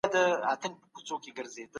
تخصص لرو.